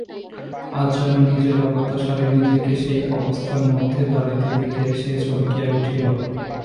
আজ যেন নিজের অজ্ঞাতসারে নিজেকে সেই অবস্থার মধ্যে দাঁড়াইতে দেখিয়া সে চমকিয়া উঠিল।